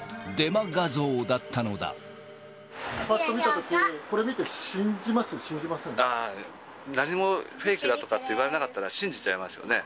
ぱっと見たとき、これ見て、あぁ、何もフェイクだとかって言われなかったら信じちゃいますよね。